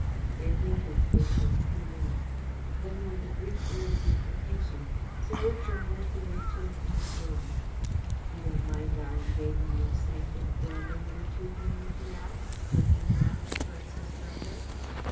They lingered here for a few minutes. Then, with a brief word of invitation, Sir Bertram led the way to an inner door. "You don't mind our invading your sanctum for a minute or two, Henry?" he asked, looking round towards his brother.